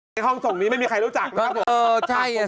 ห้องส่งนี้ไม่มีใครรู้จักนะครับผม